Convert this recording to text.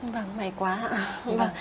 vâng may quá ạ